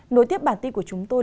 nối tiếp bản tin của chúng tôi